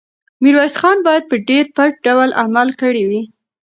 میرویس خان باید په ډېر پټ ډول عمل کړی وی.